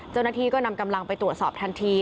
เจ้าหน้าที่ก็นำกำลังไปตรวจสอบทันที